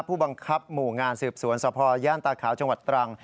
ผู้บังคับหมู่งานสืบสวนสภย่านตาขาวจังหวัดตรัง